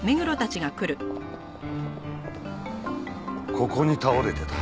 ここに倒れてた。